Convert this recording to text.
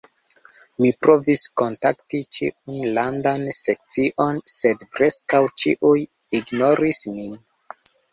Mi provis kontakti ĉiun landan sekcion sed preskaŭ ĉiuj ignoris min.